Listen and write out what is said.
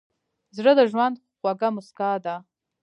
زړه د ژوند خوږه موسکا ده.